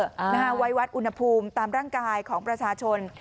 เตอร์โมเมตเตอร์วัยวัดอุณหภูมิตามร่างกายของประชาชน